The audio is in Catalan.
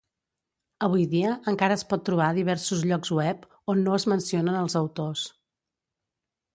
Avui dia encara es pot trobar a diversos llocs web, on no es mencionen els autors.